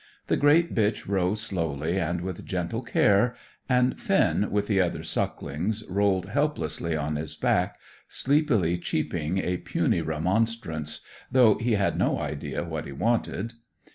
The great bitch rose slowly and with gentle care, and Finn, with the other sucklings, rolled helplessly on his back, sleepily cheeping a puny remonstrance, though he had no idea what he wanted.